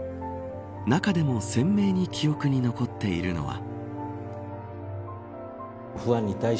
中でも鮮明に記憶に残っているのは。